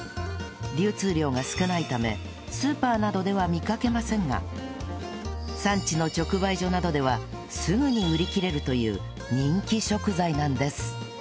流通量が少ないためスーパーなどでは見かけませんが産地の直売所などではすぐに売り切れるという人気食材なんです